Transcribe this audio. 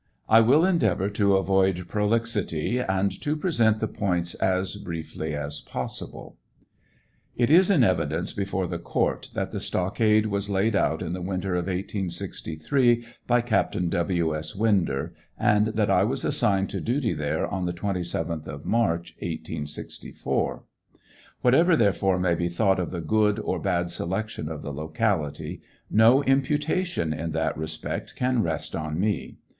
1 will endeavor to avoid prolixity and to present the points as brieily as possible. It is in evidence before the court that the stockade was laid out in the wintei of 1S63, by Captain W. S. Winder, and that I was assigned to duty there oil the 27th of March, 1864. Whatever, therefore, may be thought of the good oi bad selection of the locality, no imputation in that respect can rest on me.